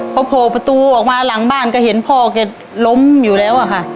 พอโผล่ประตูออกมาหลังบ้านก็เห็นพ่อแกล้มอยู่แล้วอะค่ะ